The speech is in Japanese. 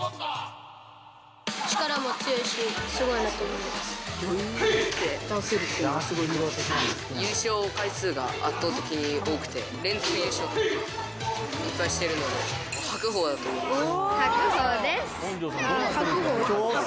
力も強いし、余裕をもって倒せるっていう優勝回数が圧倒的に多くて、連続優勝もいっぱいしてるので、白鵬だと思います。